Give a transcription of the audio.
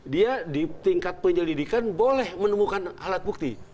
dia di tingkat penyelidikan boleh menemukan alat bukti